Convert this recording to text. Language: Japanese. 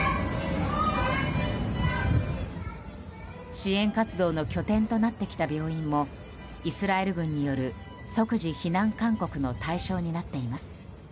支援活動の拠点となってきた病院もイスラエル軍による即時避難勧告の対象になっています。